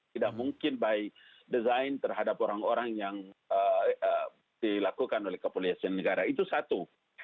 tidak mungkin by design terhadap orang orang yang dilakukan oleh kepolisian negara itu satu